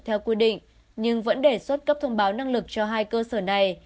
theo quy định nhưng vẫn đề xuất cấp thông báo năng lực cho hai cơ sở này